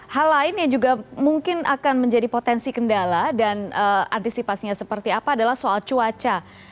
hal lain yang juga mungkin akan menjadi potensi kendala dan antisipasinya seperti apa adalah soal cuaca